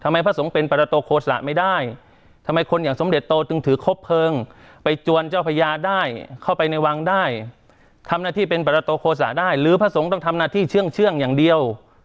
พระสงฆ์เป็นประโตโฆษะไม่ได้ทำไมคนอย่างสมเด็จโตจึงถือครบเพลิงไปจวนเจ้าพญาได้เข้าไปในวังได้ทำหน้าที่เป็นปรโตโฆษะได้หรือพระสงฆ์ต้องทำหน้าที่เชื่องอย่างเดียว